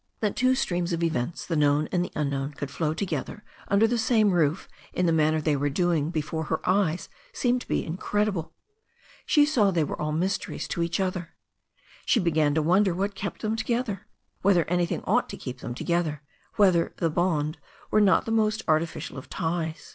That two streams of events, the known and the unknown, could flow together under the same roof in the manner they were doing there before her eyes seemed to Alice to be in credible. She saw tliev vjw^ ^11 mysteries to each other. THE STORY OF A NEW ZEALAND RIVER 359 She began to wonder what kept them together, whether any thing ought to keep them together, whether "the bond" were not the most artificial of ties.